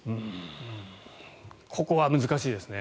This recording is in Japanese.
ここは難しいですね。